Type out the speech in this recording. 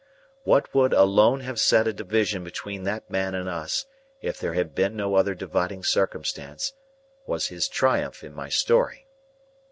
What would alone have set a division between that man and us, if there had been no other dividing circumstance, was his triumph in my story.